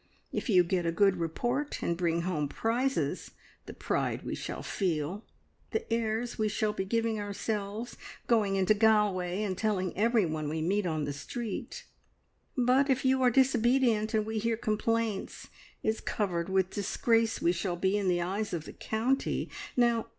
If you get a good report and bring home prizes, the pride we shall feel, the airs we shall be giving ourselves, going into Galway and telling everyone we meet on the street; but if you are disobedient and we hear complaints, it's covered with disgrace we shall be in the eyes of the county.